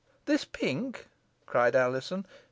"This pink," cried Alizon.